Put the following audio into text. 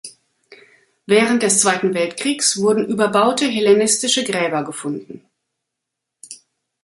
Während des Zweiten Weltkriegs wurden überbaute hellenistische Gräber gefunden.